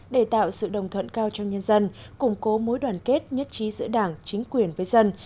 để tạo sự đồng thuận cao trong nhân dân củng cố mối đoàn kết nhất trí giữa đảng chính quyền với dân